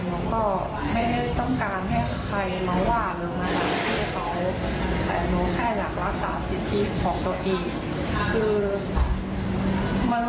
เราก็ไม่ต้องการให้ใครน้องแล้วหากเขาแขกรักษาสิทธิของตัวเอง